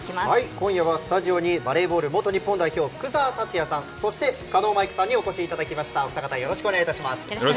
今夜はスタジオにバレーボール元日本代表福澤達哉さんそして狩野舞子さんにお越しいただきました。